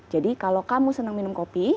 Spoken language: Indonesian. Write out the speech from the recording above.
jadi kalau kamu senang minum kopi